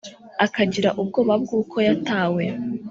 akagira ubwoba bw uko yatawe